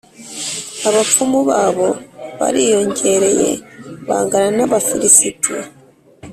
abapfumu babo bariyongereye, bangana n’ab’Abafilisiti,